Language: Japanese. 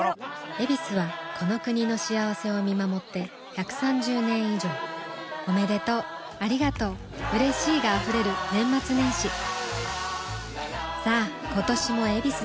「ヱビス」はこの国の幸せを見守って１３０年以上おめでとうありがとううれしいが溢れる年末年始さあ今年も「ヱビス」で